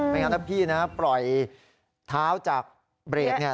งั้นถ้าพี่นะปล่อยเท้าจากเบรกเนี่ย